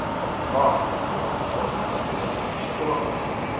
The frog's breast stroke is another story.